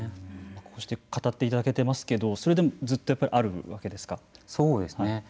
こうして語っていただけていますけどそれでもずっとやっぱりあるわけですか。